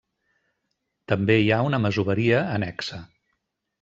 També hi ha una masoveria annexa.